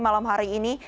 malam hari ini